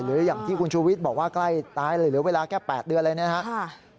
อย่างที่คุณชูวิทย์บอกว่าใกล้ตายเลยเหลือเวลาแค่๘เดือนเลยนะครับ